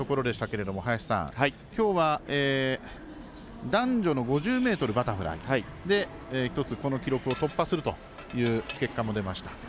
けれども林さん、きょうは男女の５０ｍバタフライで一つ、この記録を突破するという結果も出ました。